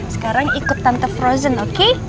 sekarang ikut tante frozen oke